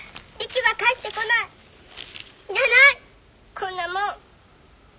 こんなもん！